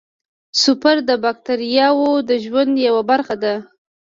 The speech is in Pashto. سپور د باکتریاوو د ژوند یوه برخه ده.